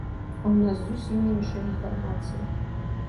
А ў нас зусім іншая інфармацыя.